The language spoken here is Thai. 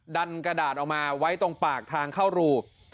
กระดาษออกมาไว้ตรงปากทางเข้ารู